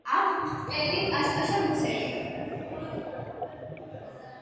აქვთ ბრტყელი, კაშკაშა მუცელი.